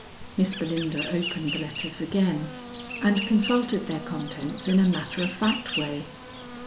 Miss Belinda opened the letters again and consulted their contents in a matter of fact way.